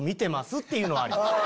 っていうのはあります。